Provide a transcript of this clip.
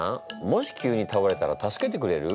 もし急にたおれたら助けてくれる？